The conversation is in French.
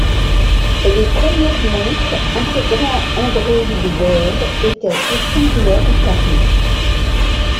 Les premières montres intégrant Android wear étaient rectangulaires ou carrées.